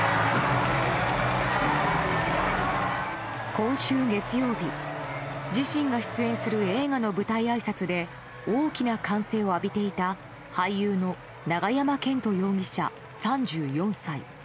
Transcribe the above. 今週月曜日、自身が出演する映画の舞台あいさつで大きな歓声を浴びていた俳優の永山絢斗容疑者、３４歳。